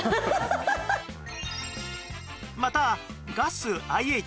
またガス ＩＨ